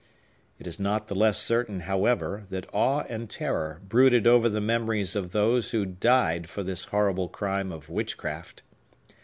It is not the less certain, however, that awe and terror brooded over the memories of those who died for this horrible crime of witchcraft.